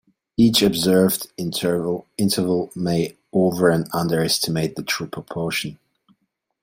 Each observed interval may over- or underestimate the true proportion.